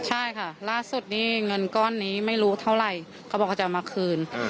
ใช่ค่ะล่าสุดนี่เงินก้อนนี้ไม่รู้เท่าไหร่เขาบอกว่าจะเอามาคืน